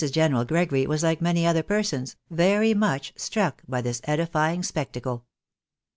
General Gregory was like many other persons, very much struck by this edifying spec tacle.